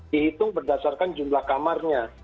dihitung berdasarkan jumlah kamarnya